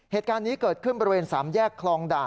เหตุการณ์นี้เกิดขึ้นบริเวณ๓แยกคลองด่าน